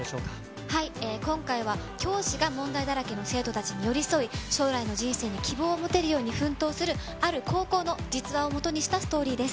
今回は、教師が問題だらけの生徒たちに寄り添い、将来の人生に希望を持てるように奮闘する、ある高校の実話をもとにしたストーリーです。